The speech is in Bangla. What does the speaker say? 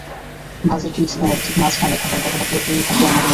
ভাঁজের ঠিক মাঝখানে থাকার কথা থাকলেও পিন থাকে অন্য কোনো জায়গায়।